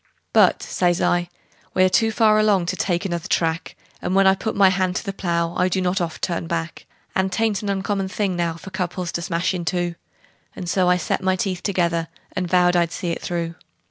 "But," says I, "we're too far along to take another track, And when I put my hand to the plow I do not oft turn back; And 'tain't an uncommon thing now for couples to smash in two;" And so I set my teeth together, and vowed I'd see it through.